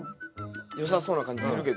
よさそうな感じするけどね。